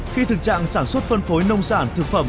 khi thực trạng sản xuất phân phối nông sản thực phẩm